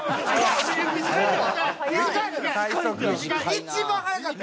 一番早かった！